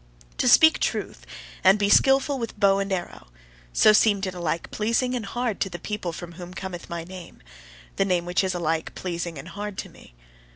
"To speak truth, and be skilful with bow and arrow" so seemed it alike pleasing and hard to the people from whom cometh my name the name which is alike pleasing and hard to me.